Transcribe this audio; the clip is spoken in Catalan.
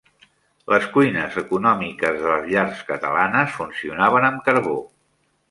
Les cuines econòmiques de les llars catalanes funcionaven amb carbó.